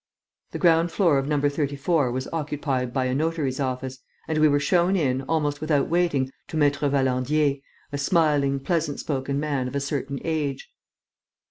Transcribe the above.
The ground floor of No. 34 was occupied by a notary's office; and we were shown in, almost without waiting, to Maître Valandier, a smiling, pleasant spoken man of a certain age.